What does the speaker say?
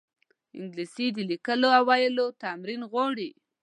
انګلیسي د لیکلو او ویلو تمرین غواړي